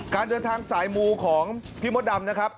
การเดินทางสายมูของพี่มดดำนะครับ